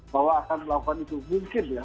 bahwa akan melakukan itu mungkin ya